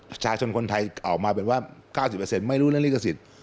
ประชาชนคนไทยออกมาเป็นว่า๙๐ไม่รู้เรื่องลิขสิทธิ์